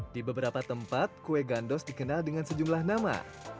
di beberapa tempat kue gandos dikenal dengan sejumlah nama